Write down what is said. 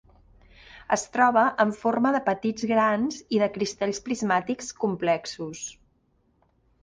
Es troba en forma de petits grans, i de cristalls prismàtics complexos.